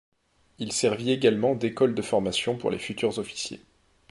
Il servit également d’école de formation pour les futurs officiers.